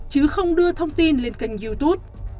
chứ không đưa thông tin lên kênh youtube